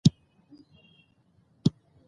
ازادي راډیو د بیکاري لپاره عامه پوهاوي لوړ کړی.